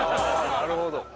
なるほど。